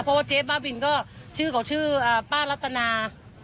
เพราะว่าเจ๊บ้าบินก็ชื่อเขาชื่อป้ารัตนา